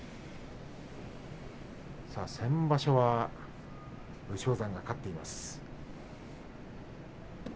先場所は武将山が勝っています。